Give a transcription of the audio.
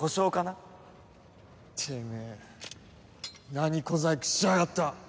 てめえ何小細工しやがった！